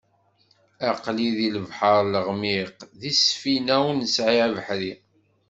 Aql-i di lebḥer leɣmiq, di ssfina ur nesɛi abeḥri.